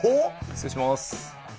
失礼します。